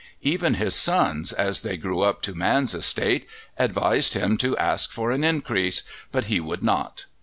Even his sons, as they grew up to man's estate, advised him to ask for an increase, but he would not.